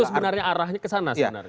itu sebenarnya arahnya kesana sebenarnya